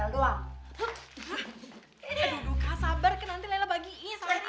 aduh duka sabar nanti lela bagiin sama tika